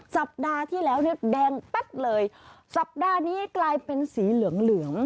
สัปดาห์ที่แล้วเนี่ยแดงแป๊บเลยสัปดาห์นี้กลายเป็นสีเหลืองเหลือง